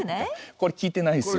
これ聞いてないんですよ。